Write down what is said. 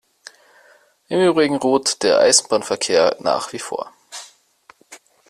Im Übrigen ruht der Eisenbahnverkehr nach wie vor.